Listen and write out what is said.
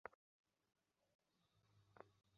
যদি জানতে পারি অর্জুন চশমা ভাঙেনি, তাহলে তোমার ক্ষের নেই।